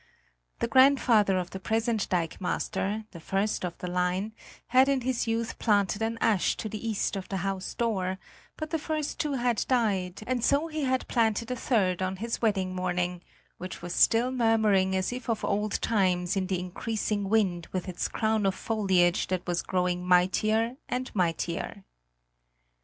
The grandfather of the present dikemaster, the first of the line, had in his youth planted an ash to the east of the house door; but the first two had died, and so he had planted a third on his wedding morning, which was still murmuring as if of old times in the increasing wind with its crown of foliage that was growing mightier and mightier.